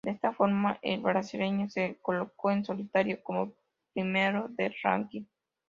De esta forma el brasileño se colocó en solitario como primero del ranking.